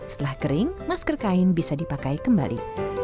setelah kering masker kain bisa dipakai kembali